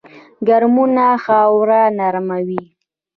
کرمونه خاوره نرموي